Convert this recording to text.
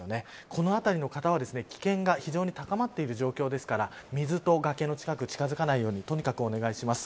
この辺りの方は危険が非常に高まっている状況ですから水と崖の近くに近づかないようにお願いします。